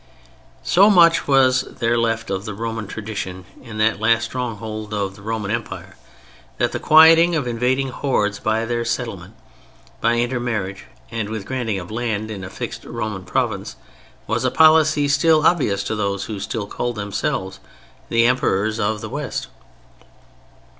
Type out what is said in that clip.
So much was there left of the Roman tradition in that last stronghold of the Roman Empire that the quieting of invading hordes by their settlement (by inter marriage with and granting of land in, a fixed Roman province) was a policy still obvious to those who still called themselves "The Emperors" of the West.